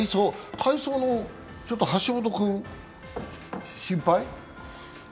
体操の橋本君、心配？